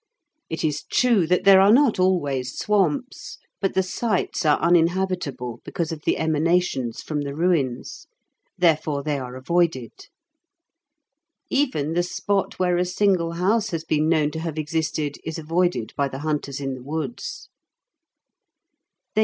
It is true that there are not always swamps, but the sites are uninhabitable because of the emanations from the ruins. Therefore they are avoided. Even the spot where a single house has been known to have existed, is avoided by the hunters in the woods.